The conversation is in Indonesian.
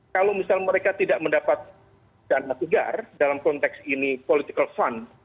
kalau misal mereka tidak mendapat dana segar dalam konteks ini political fund